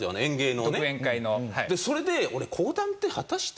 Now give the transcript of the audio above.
それで俺。